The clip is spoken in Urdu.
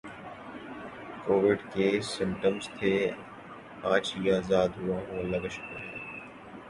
کوویڈ کے سمپٹمپز تھے اج ہی ازاد ہوا ہوں اللہ کا شکر ہے اب